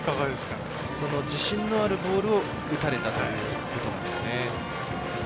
自信のあるボールを打たれたということなんですね。